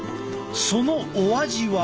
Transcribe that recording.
そのお味は？